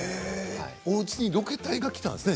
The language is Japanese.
おうちにロケ隊が来たんですね。